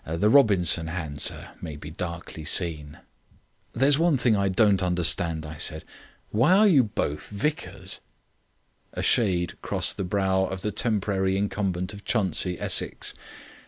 The Robinson hand, sir, may be darkly seen." "There is one thing I don't understand," I said. "Why you are both vicars." A shade crossed the brow of the temporary incumbent of Chuntsey, in Essex.